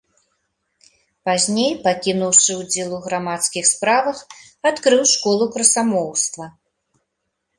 Пазней, пакінуўшы ўдзел у грамадскіх справах, адкрыў школу красамоўства.